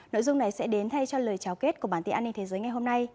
nội dung này sẽ đến thay cho lời trao kết của bản tin an ninh thế giới ngày hôm nay